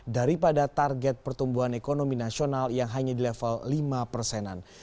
daripada target pertumbuhan ekonomi nasional yang hanya di level lima persenan